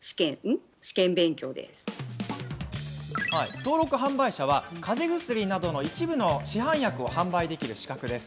登録販売者はかぜ薬などの一部の市販薬を販売できる資格です。